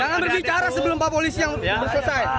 jangan berbicara sebelum pak polisi yang selesai